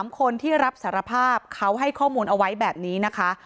๓คนที่รับสารภาพเขาให้ข้อมูลเอาไว้แบบนี้นะคะ